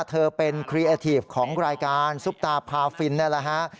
เธอเป็นครีเอทีฟของรายการซุปตาพาฟินนั่นแหละฮะ